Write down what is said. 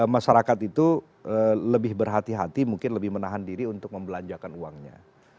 masyarakat itu lebih berhati hati mungkin lebih menahan diri untuk membelanjakan uangnya